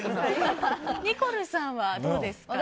ニコルさんはどうですか？